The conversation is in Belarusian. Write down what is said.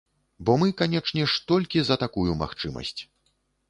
Бо мы, канечне ж, толькі за такую магчымасць.